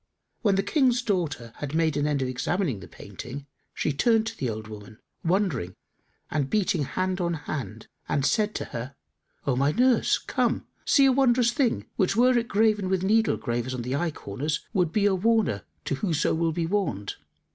When the King's daughter had made an end of examining the painting, she turned to the old woman, wondering and beating hand on hand, and said to her, "O my nurse, come, see a wondrous thing which were it graven with needle gravers on the eye corners would be a warner to whoso will be warned."